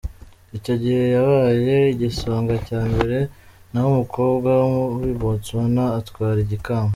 Icyo gihe yabaye igisonga cya mbere naho umukobwa wo muri Botswana atwara ikamba.